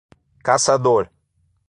Caçador